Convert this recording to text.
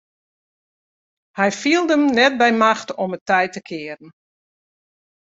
Hy fielde him net by machte om it tij te kearen.